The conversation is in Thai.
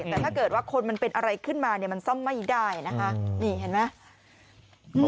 แต่ถ้าเกิดว่าคนมันเป็นอะไรขึ้นมาเนี่ยมันซ่อมไม่ได้นะคะนี่เห็นไหม